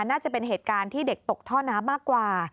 น่าจะเป็นเหตุการณ์ที่เด็กตกท่อน้ำมากกว่า